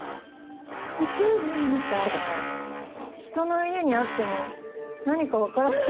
人の家にあっても何か分からないかも。